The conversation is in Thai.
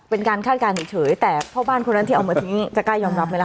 คาดการณ์เฉยแต่พ่อบ้านคนนั้นที่เอามาทิ้งจะกล้ายอมรับไหมล่ะ